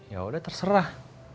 ya udah terserah